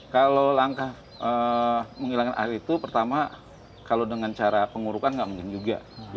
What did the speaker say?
kalau langkah menghilangkan air itu pertama kalau dengan cara pengurukan nggak mungkin juga